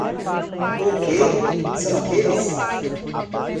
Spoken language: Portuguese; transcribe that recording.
O quê, são aqueles?